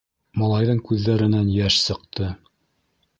Малайҙың күҙҙәренән йәш сыҡты.